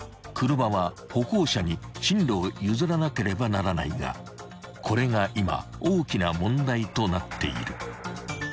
車は歩行者に進路を譲らなければならないがこれが今大きな問題となっている］